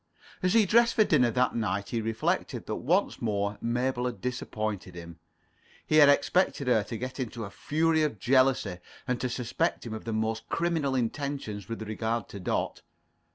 As he dressed for dinner that night, he reflected that once more Mabel had disappointed him. He had expected her to get into a fury of jealousy, and to suspect him of the most criminal intentions with regard to Dot.